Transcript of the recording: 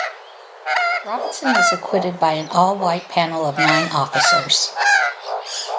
Robinson was acquitted by an all-white panel of nine officers.